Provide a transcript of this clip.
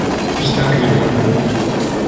Ich danke ihr dafür!